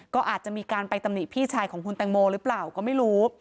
ก็อาจจะมีการไปตำหนิพี่ชายของคุณแตงโมหรือเปล่าก็ไม่รู้